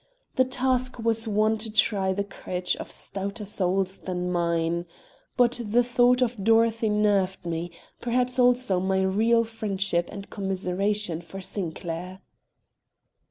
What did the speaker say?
The task was one to try the courage of stouter souls than mine. But the thought of Dorothy nerved me; perhaps, also, my real friendship and commiseration for Sinclair.